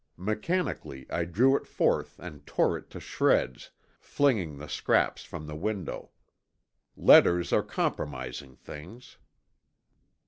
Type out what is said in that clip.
Mechanically I drew it forth and tore it to shreds, flinging the scraps from the window. Letters are compromising things.